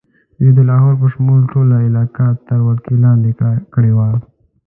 دوی د لاهور په شمول ټوله علاقه تر ولکې لاندې کړې وه.